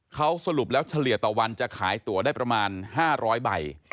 เขาสรุปแล้วเฉลี่ยต่อวันจะขายตัวได้ประมาณ๕๐๐ใบ